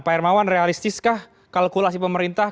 pak hermawan realistiskah kalkulasi pemerintah